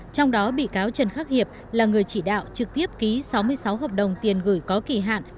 trong đó bị cáo trần khắc hiệp là người chỉ đạo trực tiếp ký sáu mươi sáu hợp đồng tiền gửi có kỳ hạn